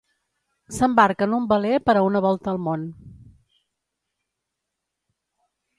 S'embarca en un veler per a una volta al món.